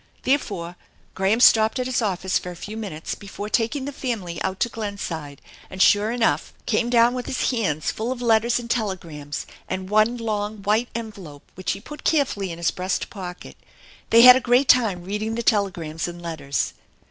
Therefore Graham stopped at his office for a few minutes before taking the family out to Glenside, and, sure enough, came down with his hands full of letters and telegrams, and one long white envelope which he put carefully in his breast pocket. They had a great time reading the telegrams and letters.